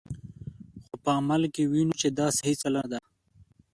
خو په عمل کې وینو چې داسې هیڅکله نه ده.